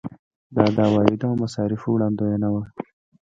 دا د عوایدو او مصارفو وړاندوینه وه.